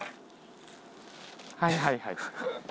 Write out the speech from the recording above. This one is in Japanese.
はいはいはい。